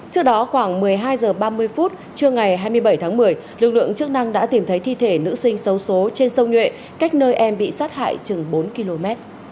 trước đó khoảng một mươi hai h ba mươi phút trưa ngày hai mươi bảy tháng một mươi lực lượng chức năng đã tìm thấy thi thể nữ sinh xấu xố trên sông nhuệ cách nơi em bị sát hại chừng bốn km